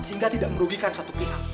sehingga tidak merugikan satu pihak